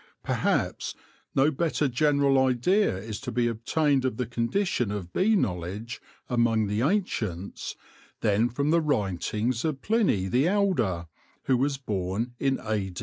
Perhaps no better general idea is to be obtained of the condition of bee knowledge among the ancients than from the writings of Pliny, the Elder, who was born in a.